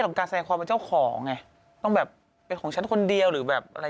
ของการแสดงความเป็นเจ้าของไงต้องแบบเป็นของฉันคนเดียวหรือแบบอะไร